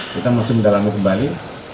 kita masuk mendalamnya kembali